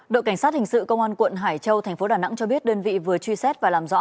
đội cảnh sát hình sự công an quận hải châu thành phố đà nẵng cho biết đơn vị vừa truy xét và làm rõ